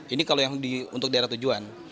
ini kalau yang untuk daerah tujuan